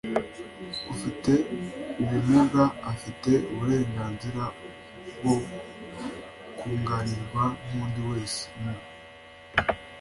ufite ubumuga afite uburenganzira bwo kunganirwa nk'undi wese mu